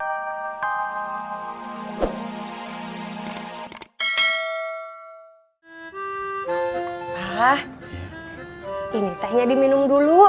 ah ini tehnya diminum dulu